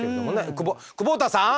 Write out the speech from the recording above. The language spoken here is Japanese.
くぼ久保田さん！